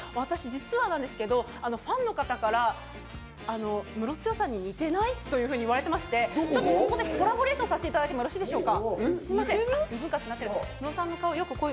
そしてそっくりといえばムロさん、私、実はなんですけどファンの方からムロツヨシさんに似てないと言われていまして、コラボレーションさせていただいてもよろしいでしょうか。